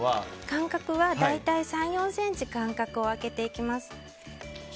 間隔は大体３４ｃｍ空けていきます。